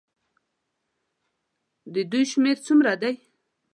د دوی شمېر څومره دی.